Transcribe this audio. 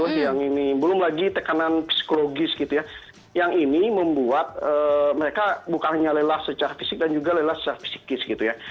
iya betul yang ini belum lagi tekanan psikologis gitu ya yang ini membuat mereka bukannya lelah secara fisik dan juga lelah secara fisikis gitu ya